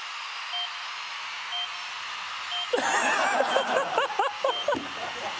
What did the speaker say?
ハハハハ！